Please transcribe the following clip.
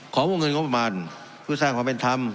วงเงินงบประมาณเพื่อสร้างความเป็นธรรม